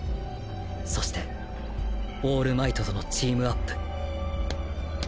そしてオールマイトとのチームアップ